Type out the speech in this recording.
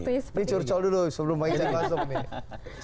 jadi gini ini curcol dulu sebelum bang ican masuk nih